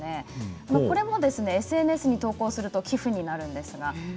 これもＳＮＳに投稿すると寄付になるんです。